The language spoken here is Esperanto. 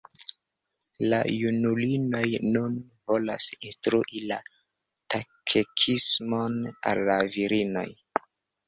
La junulinoj nun volas instrui la katekismon al la virinoj.